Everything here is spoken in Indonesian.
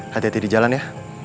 hati hati di jalan ya